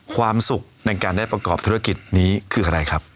ความสุขในการได้ประกอบธุรกิจนี้คืออะไรครับ